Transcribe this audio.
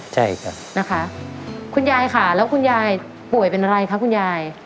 ใช่ค่ะนะคะคุณยายค่ะแล้วคุณยายป่วยเป็นอะไรคะคุณยาย